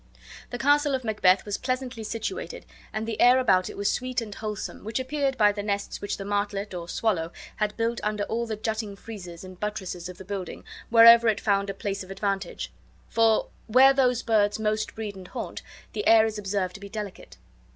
The castle of Macbeth was pleasantly situated and the air about it was sweet and wholesome, which appeared by the nests which the martlet, or swallow, had built under all the jutting friezes and buttresses of the building, wherever it found a place of advantage; for where those birds most breed and haunt the air is observed to be delicate.